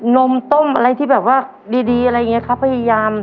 นมต้มอะไรที่แบบว่าดีอะไรอย่างนี้ครับพยายาม